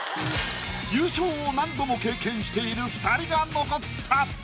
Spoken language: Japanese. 優勝を何度も経験している２人が残った。